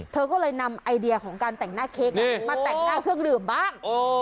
เธอก็เลยนำไอเดียของการแต่งหน้าเค้กมาแต่งหน้าเครื่องดื่มบ้าง